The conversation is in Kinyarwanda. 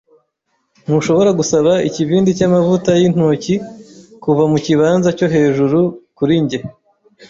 Ntushobora gusaba ikibindi cyamavuta yintoki kuva mukibanza cyo hejuru kuri njye?